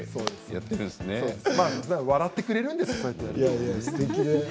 笑ってくれるんです、そうやって。